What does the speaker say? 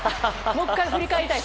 もう１回振り返りたい。